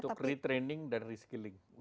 untuk retraining dan reskilling